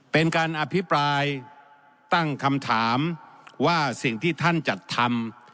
เป็นการอภิปรายตั้งคำถามว่าสิ่งที่ท่านจัดทำ